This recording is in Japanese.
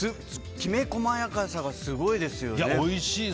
きめ細やかさがすごいですよね。